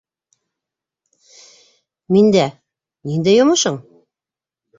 - Миндә... ниндәй йомошоң?